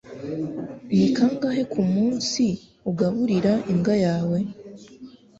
Ni kangahe kumunsi ugaburira imbwa yawe?